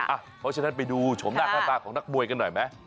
เพราะฉะนั้นไปดูชมหน้าค่าตาของนักมวยกันหน่อยไหม